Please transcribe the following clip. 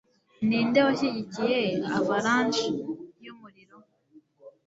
ninde washyigikiye avalanche yumuriro